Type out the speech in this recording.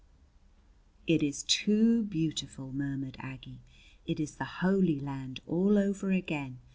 '" "It is too beautiful!" murmured Aggie. "It is the Holy Land all over again!